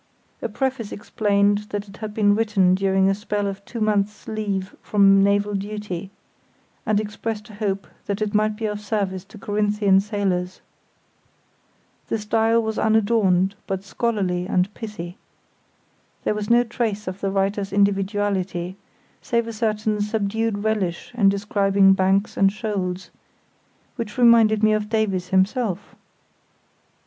A preface explained that it had been written during a spell of two months' leave from naval duty, and expressed a hope that it might be of service to Corinthian sailors. The style was unadorned, but scholarly and pithy. There was no trace of the writer's individuality, save a certain subdued relish in describing banks and shoals, which reminded me of Davies himself.